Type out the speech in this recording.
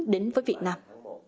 đến với việt nam